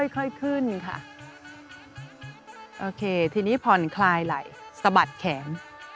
ค่อยขึ้นค่ะโอเคทีนี้ผ่อนคลายไหล่สะบัดแขน